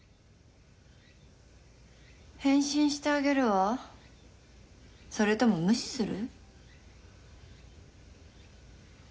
返信してあげるわそれとも無視する？